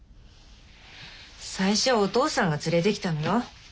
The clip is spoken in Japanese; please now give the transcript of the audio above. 最初はお義父さんが連れてきたのよ。